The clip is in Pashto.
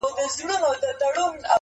هم عقل وينم، هم هوا وينم، هم ساه وينم~